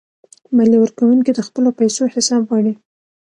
مالیه ورکونکي د خپلو پیسو حساب غواړي.